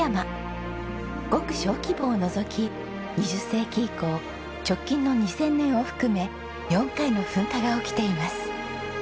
ごく小規模を除き２０世紀以降直近の２０００年を含め４回の噴火が起きています。